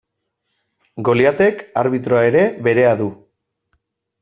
Goliatek arbitroa ere berea du.